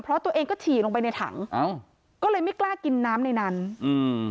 เพราะตัวเองก็ฉี่ลงไปในถังอ้าวก็เลยไม่กล้ากินน้ำในนั้นอืม